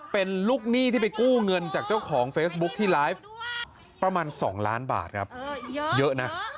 เป็นลูกหนี้ที่ไปกู้เงินจากเจ้าของเฟซบุ๊คที่ไลฟ์ประมาณ๒ล้านบาทครับเยอะนะ